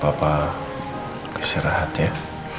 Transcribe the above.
papa istirahat ya